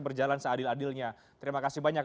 berjalan seadil adilnya terima kasih banyak